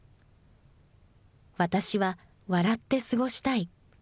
私は笑って過ごしたい。